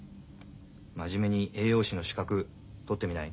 真面目に栄養士の資格取ってみない？